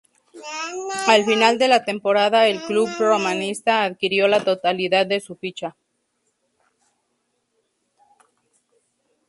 Al final de la temporada, el club romanista adquirió la totalidad de su ficha.